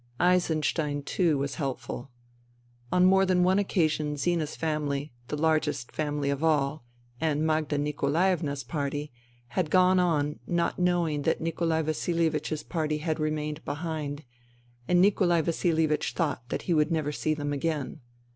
Eisenstein too was helpful. On more than one occasion Zina's family — the largest family of all — and Magda Nikolaevna's party, had gone on not knowing that Nikolai Vasilievich's party had remained behind ; and Nikolai Vasilievich thought that he would never see them again.